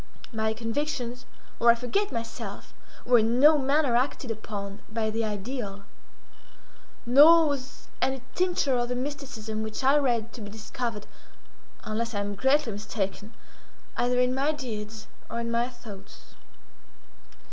My convictions, or I forget myself, were in no manner acted upon by the ideal, nor was any tincture of the mysticism which I read to be discovered, unless I am greatly mistaken, either in my deeds or in my thoughts.